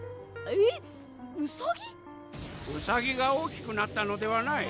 ウサギが大きくなったのではない。